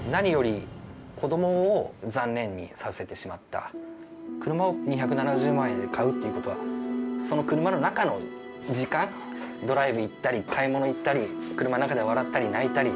何より車を２７０万円で買うっていうことはその車の中の時間ドライブ行ったり買い物行ったり車の中で笑ったり泣いたり。